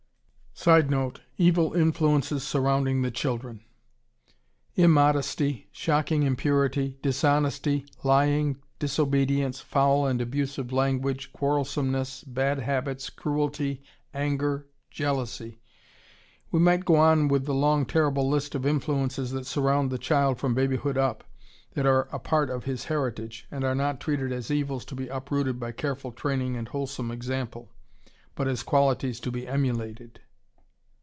[Sidenote: Evil influences surrounding the children.] Immodesty, shocking impurity, dishonesty, lying, disobedience, foul and abusive language, quarrelsomeness, bad habits, cruelty, anger, jealousy, we might go on with the long terrible list of influences that surround the child from babyhood up, that are a part of his heritage, and are not treated as evils to be uprooted by careful training and wholesome example, but as qualities to be emulated.